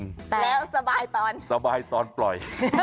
แล้วสบายตอนปล่อย